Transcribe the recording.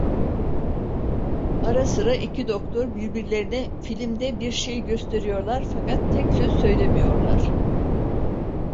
Ara sıra iki doktor birbirlerine filmde bir şey gösteriyorlar, fakat tek söz söylemiyorlar.